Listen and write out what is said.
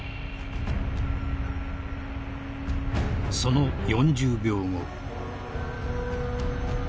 ［その４０秒後］